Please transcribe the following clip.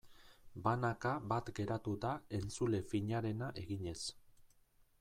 Banaka bat geratu da entzule finarena eginez.